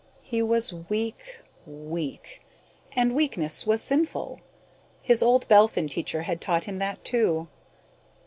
He was weak, weak and weakness was sinful. His old Belphin teacher had taught him that, too.